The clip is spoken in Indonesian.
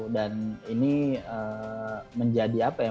dan ini menjadi apa ya